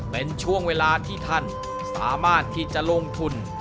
เป็นช่วงเวลาที่ท่านสามารถที่จะลงทุน